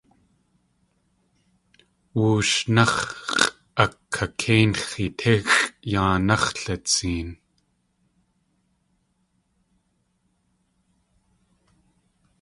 Wóoshnáx̲ x̲ʼakakéix̲i tíxʼ yáanáx̲ litseen.